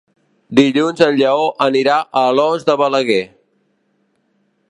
Dilluns en Lleó anirà a Alòs de Balaguer.